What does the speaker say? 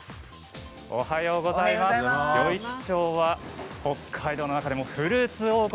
余市町は北海道の中でもフルーツ王国。